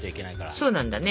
そうなんだね。